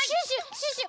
シュッシュ！